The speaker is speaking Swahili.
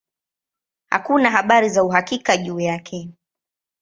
Hakuna habari za uhakika juu yake.